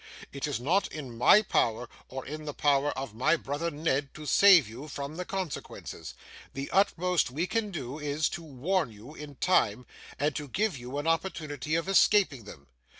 It is not in my power, or in the power of my brother Ned, to save you from the consequences. The utmost we can do is, to warn you in time, and to give you an opportunity of escaping them.